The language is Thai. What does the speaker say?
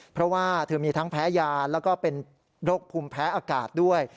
เพราะว่าเธอมีทั้งแพ้ยาแล้วก็เป็นโรคภูมิแพ้อากาศด้วย